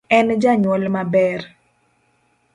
En janyuol maber